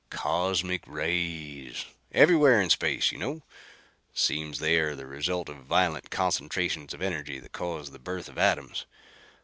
"Cosmic rays. Everywhere in space you know. Seems they are the result of violent concentrations of energy that cause the birth of atoms.